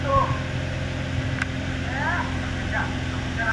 چي شېردل يې کړ د دار تمبې ته پورته!!